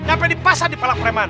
sampai di pasar di palak preman